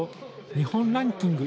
日本ランキング